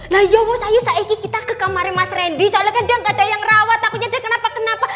nah ya mas ayo sayuki kita ke kamarnya mas reddy soalnya kan dia gak ada yang rawat aku nyadar kenapa kenapa